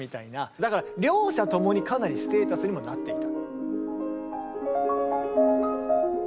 だから両者共にかなりステータスにもなっていた。